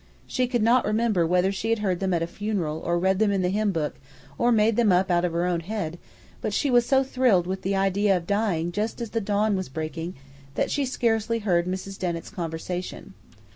She could not remember whether she had heard them at a funeral or read them in the hymn book or made them up "out of her own head," but she was so thrilled with the idea of dying just as the dawn was breaking that she scarcely heard Mrs. Dennett's conversation.